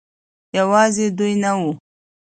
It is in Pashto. يوازې دوي نه وو